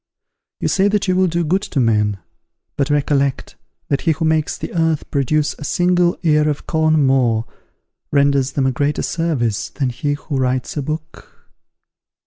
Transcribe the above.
You say that you will do good to men; but recollect, that he who makes the earth produce a single ear of corn more, renders them a greater service than he who writes a book.